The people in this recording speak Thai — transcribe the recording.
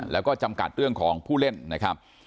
แล้วก็จำกัดเรื่องของผู้เล่นนะครับ